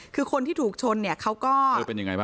คือคนที่ถูกชนเนี่ยเขาก็คือเป็นยังไงบ้าง